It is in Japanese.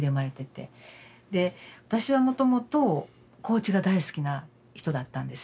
で私はもともと高知が大好きな人だったんですよ。